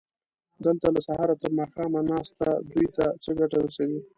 دلته له سهاره تر ماښامه ناسته دوی ته څه ګټه رسوي؟